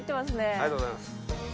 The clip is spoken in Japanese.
ありがとうございます。